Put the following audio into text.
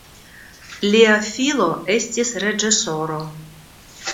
Lia filo estis reĝisoro.